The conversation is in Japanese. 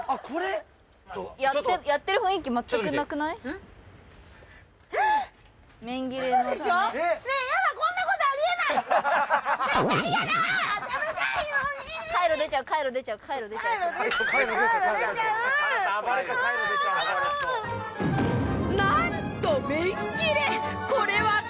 これは。